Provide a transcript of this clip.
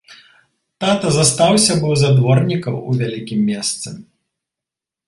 Тата застаўся быў за дворніка ў вялікім месце.